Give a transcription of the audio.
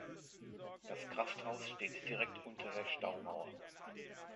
Das Krafthaus steht direkt unter der Staumauer.